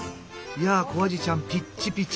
いやあ小アジちゃんピッチピチ。